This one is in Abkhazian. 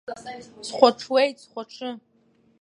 Схәаҽуеит, схәаҽы!